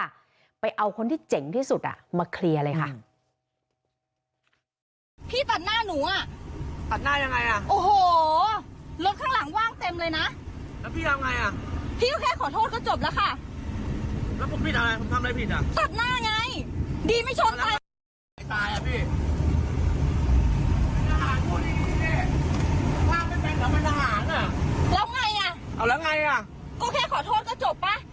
ไปเอาคนที่เจ๋งที่สุดมาเคลียร์เลยค่ะ